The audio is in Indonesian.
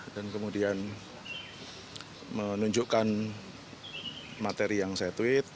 dan kemudian menunjukkan materi yang saya tweet